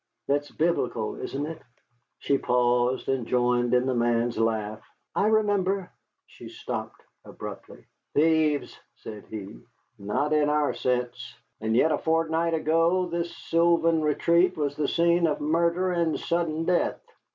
That's Biblical, isn't it?" She paused, and joined in the man's laugh. "I remember " She stopped abruptly. "Thieves!" said he, "not in our sense. And yet a fortnight ago this sylvan retreat was the scene of murder and sudden death."